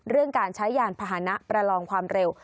เรื่องการใช้ยานพาหนะประลองความเร็ว